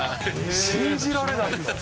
信じられないよ。